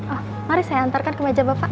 oh mari saya antarkan ke meja bapak